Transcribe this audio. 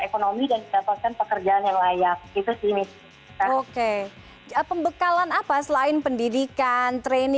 ekonomi dan mendapatkan pekerjaan yang layak itu sih oke pembekalan apa selain pendidikan train